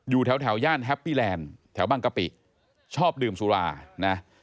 อยู่แถวย่านแฮปปี้แลนด์แถวบางกะปิชอบดื่มสุรานะ